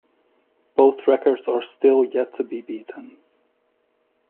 Both records are still yet to be beaten.